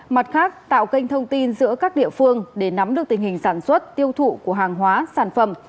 mặt khác tạo kênh thông tin giữa các địa phương để nắm được tình hình sản xuất tiêu thụ của hàng hóa sản phẩm